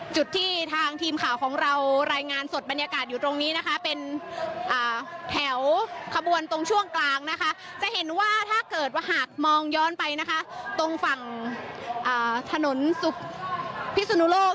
จุดที่ทางทีมข่าวของเรารายงานสดบรรยากาศ